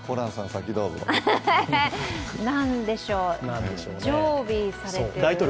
何でしょう、常備されている。